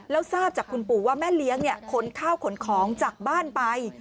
แล้วทราบจากคุณปู่ว่าแม่เลี้ยงขนข้าวขนของจากบ้านไป